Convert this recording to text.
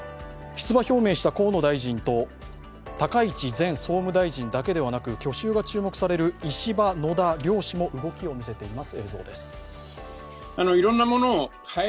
出馬表明した河野大臣と高市前総務大臣だけでなく去就が注目される石破・野田両氏も動きを見せています。